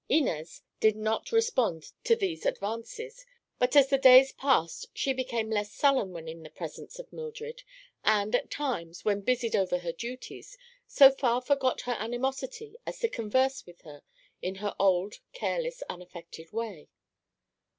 Inez did not respond to these advances, but as the days passed she became less sullen when in the presence of Mildred, and at times, when busied over her duties, so far forgot her animosity as to converse with her in her old careless, unaffected way.